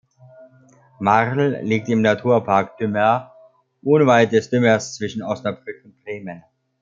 Marl liegt im Naturpark Dümmer unweit des Dümmers zwischen Osnabrück und Bremen.